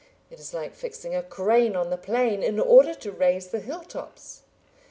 It is like fixing a crane on the plain in order to raise the hill tops.